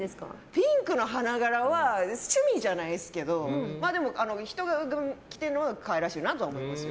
ピンクの花柄は趣味じゃないですけど人が着てるのは可愛らしいなとは思いますよ。